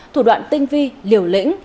thủ đoạn tinh vi liều lĩnh